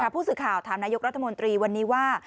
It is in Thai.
ผู้สื่อข่าวถามนายกรัฐมนตรีวันนี้ว่า